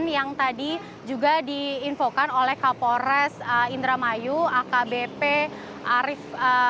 yang tadi juga diinfokan oleh kapolres indramayu akbp arief